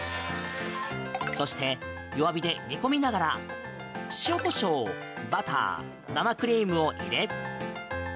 そして、弱火で煮込みながら塩、コショウ、バター生クリームを入れ。